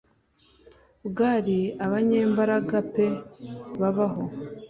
Bwira abanyembaraga pe babaho